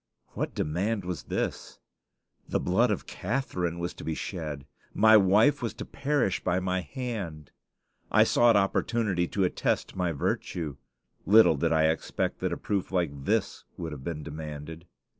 What demand was this? The blood of Catharine was to be shed! My wife was to perish by my hand! I sought opportunity to attest my virtue. Little did I expect that a proof like this would have been demanded.